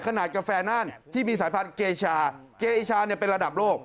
กาแฟน่านที่มีสายพันธุ์เกชาเกชาเป็นระดับโลก